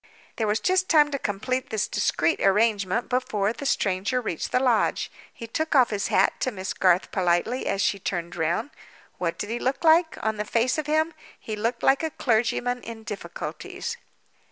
There was just time to complete this discreet arrangement, before the stranger reached the lodge. He took off his hat to Miss Garth politely, as she turned round. What did he look like, on the face of him? He looked like a clergyman in difficulties.